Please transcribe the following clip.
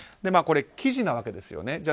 これ、記事なわけですよね。